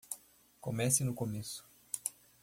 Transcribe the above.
Comece no começo.